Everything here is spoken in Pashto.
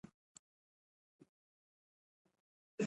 ازادي راډیو د ترانسپورټ د نړیوالو نهادونو دریځ شریک کړی.